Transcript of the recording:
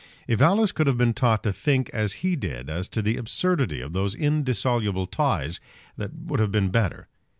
If Alice could have been taught to think as he did as to the absurdity of those indissoluble ties, that would have been better.